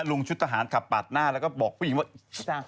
ชุดทหารขับปาดหน้าแล้วก็บอกผู้หญิงว่าจ้ะ